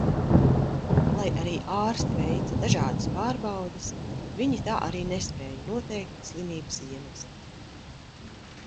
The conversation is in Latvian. Lai arī ārsti veica dažādas pārbaudes, viņi tā arī nespēja noteikt slimības iemeslu.